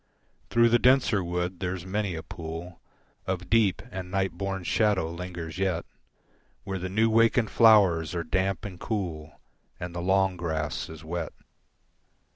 Through the denser wood there's many a pool Of deep and night born shadow lingers yet Where the new wakened flowers are damp and cool And the long grass is wet.